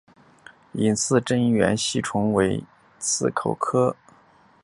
隐棘真缘吸虫为棘口科真缘属的动物。